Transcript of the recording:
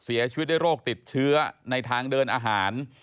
เสียชีวิตด้วยโรคติดเชื้อในทางเดินอาหาร